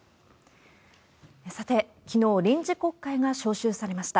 さて、きのう、臨時国会が召集されました。